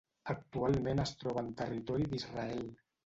Actualment es troba en territori d'Israel.